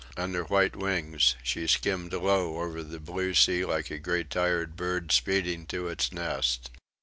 Under white wings she skimmed low over the blue sea like a great tired bird speeding to its nest.